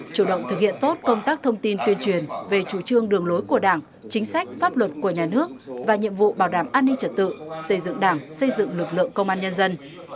chủ động thực hiện tốt công tác thông tin tuyên truyền về chủ trương đường lối của đảng chính sách pháp luật của nhà nước và nhiệm vụ bảo đảm an ninh trật tự xây dựng đảng xây dựng lực lượng công an nhân dân